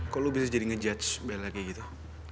kok lo bisa jadi ngejudge bela kayak gitu